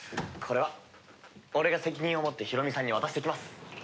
これは俺が責任を持ってヒロミさんに渡してきます。